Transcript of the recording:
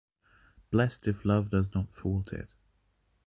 Blessed, if love does not thwart it.